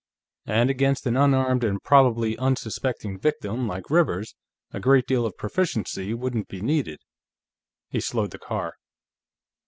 And against an unarmed and probably unsuspecting victim like Rivers, a great deal of proficiency wouldn't be needed." He slowed the car.